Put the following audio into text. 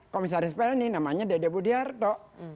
komisaris pelni namanya dede budiarto